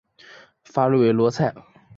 法韦罗莱。